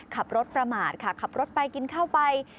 ขับรถประมาทค่ะขับรถไปกินข้าวไป